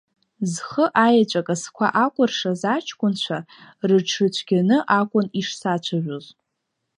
Зхы аеҵәа касқәа акәыршаз аҷкәынцәа рыҽрыцәгьаны акәын ишсацәажәоз.